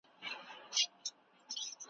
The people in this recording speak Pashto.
هغه بریالی شو